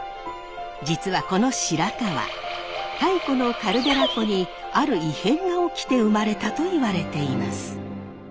実はこの白川太古のカルデラ湖にある異変が起きて生まれたといわれています。